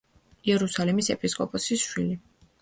იერუსალიმის ეპისკოპოსის შვილი.